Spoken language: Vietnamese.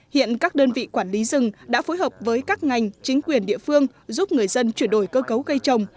hiện các đơn vị quản lý rừng đã phối hợp với các ngành chính quyền địa phương giúp người dân chuyển đổi cơ cấu cây trồng